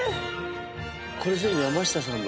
これ全部山下さんの？